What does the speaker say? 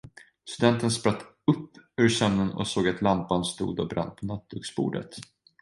Studenten spratt upp ur sömnen och såg, att lampan stod och brann på nattduksbordet.